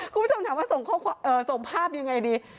คุณผู้ชมถามว่าส่งภาพยังไงดี